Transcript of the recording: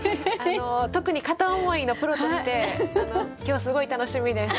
特に片思いのプロとして今日すごい楽しみです。